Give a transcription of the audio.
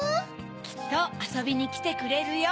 きっとあそびにきてくれるよ。